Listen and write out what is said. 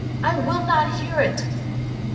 I will not hear you!"